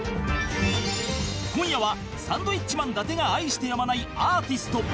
今夜はサンドウィッチマン伊達が愛してやまないアーティスト